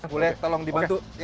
boleh tolong dibantu